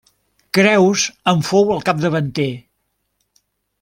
Creus en fou el capdavanter.